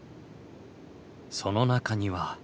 その中には。